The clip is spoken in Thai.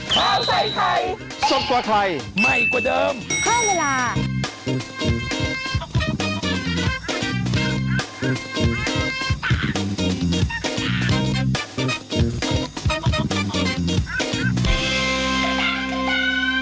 ข้าวใส่ไทยสดกว่าไทยใหม่กว่าเดิมเพิ่มเวลา